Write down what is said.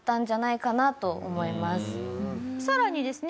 さらにですね